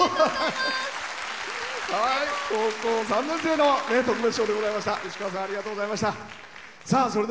高校３年生の特別賞でございました。